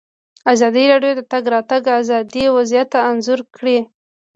ازادي راډیو د د تګ راتګ ازادي وضعیت انځور کړی.